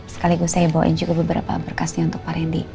sekaligus saya bawain juga beberapa berkasnya untuk pak randy